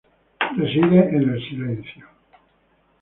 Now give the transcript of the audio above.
Él reside en el silencio.